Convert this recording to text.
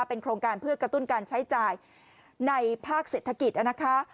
เป็นโครงการเพื่อกระตุ้นการใช้จ่ายในภาคเศรษฐกิจนะคะ